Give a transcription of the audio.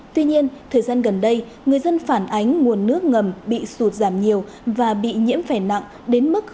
tuy nhiên thời gian gần đây người dân phản ánh nguồn nước ngầm bị sụt giảm nhiều và bị nhiễm phẻ nặng đến mức